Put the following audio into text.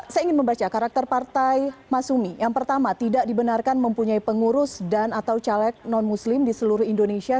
saya ingin membaca karakter partai masumi yang pertama tidak dibenarkan mempunyai pengurus dan atau caleg non muslim di seluruh indonesia